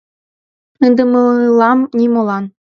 — Ынде мылам нимолан.